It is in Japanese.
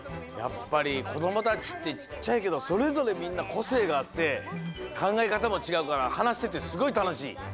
やっぱりこどもたちってちっちゃいけどそれぞれみんなこせいがあってかんがえかたもちがうからはなしててすごいたのしい。